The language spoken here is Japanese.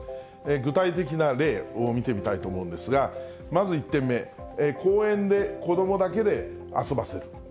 具体的な例を見てみたいと思うんですが、まず１点目、公園で子どもだけで遊ばせる。